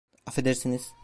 Afedersiniz?